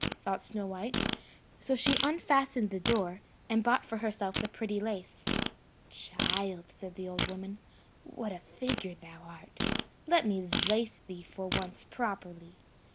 thought Snowdrop; so she unfastened the door, and bought for herself the pretty lace. "Child," said the old woman, "what a figure thou art! Let me lace thee for once properly."